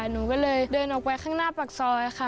หนูก็เลยเดินออกไปข้างหน้าปากซอยค่ะ